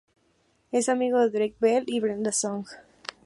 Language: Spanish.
Es amigo de Drake Bell, y Brenda Song.